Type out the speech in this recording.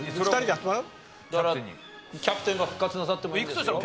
だからキャプテンが復活なさってもいいんですよ？